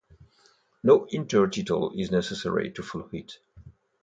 No intertitle is necessary to follow it.